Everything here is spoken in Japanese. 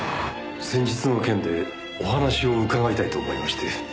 先日の件でお話を伺いたいと思いまして。